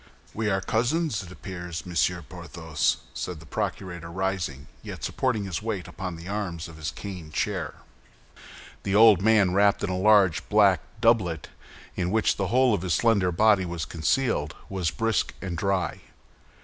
"We are cousins, it appears, Monsieur Porthos?" said the procurator, rising, yet supporting his weight upon the arms of his cane chair. The old man, wrapped in a large black doublet, in which the whole of his slender body was concealed, was brisk and dry.